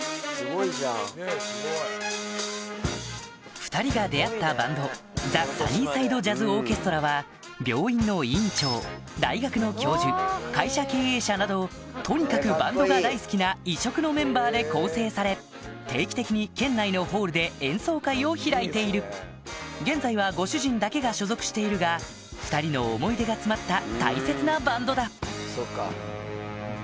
２ 人が出会ったバンド病院の院長大学の教授会社経営者などとにかくバンドが大好きな異色のメンバーで構成され定期的に県内のホールで演奏会を開いている現在はご主人だけが所属しているが２人の思い出が詰まった大切なバンドだだから。